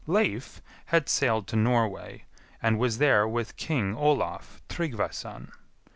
Leif had sailed to Norway, and was there with King Olaf Tryggvason.